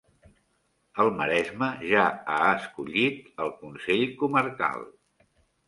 El Maresme ja ha escollit el consell comarcal